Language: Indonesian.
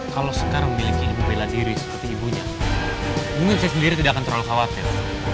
kalau sekarang memiliki bela diri seperti ibunya mungkin saya sendiri tidak akan terlalu khawatir